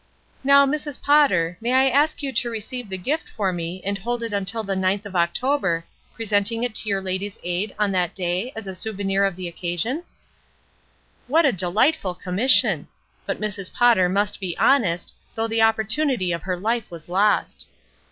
''Now, Mrs. Potter, may I ask you to receive the gift for me and hold it until the ninth of October, presenting it to your Ladies' Aid on that day as a souvenir of the occasion?" "SOMETHING PORTENTOUS" 419 What a delightful commission! But Mrs. Potter must be honest, though the opportunity of her life was lost.